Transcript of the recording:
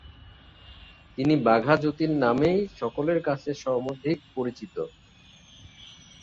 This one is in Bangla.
তিনি বাঘা যতীন নামেই সকলের কাছে সমধিক পরিচিত।